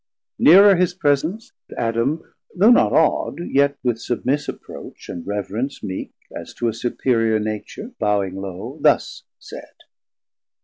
Neerer his presence Adam though not awd, Yet with submiss approach and reverence meek, As to a superior Nature, bowing low, 360 Thus said.